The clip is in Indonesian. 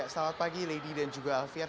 selamat pagi lady dan juga alfian